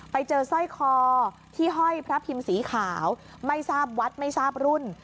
สร้อยคอที่ห้อยพระพิมพ์สีขาวไม่ทราบวัดไม่ทราบรุ่น